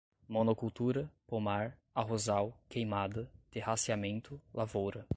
monocultura, pomar, arrozal, queimada, terraceamento, lavoura